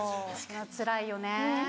つらいよね。